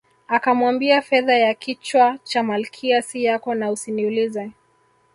Akamwambia fedha ya kichwa cha Malkia si yako na usiniulize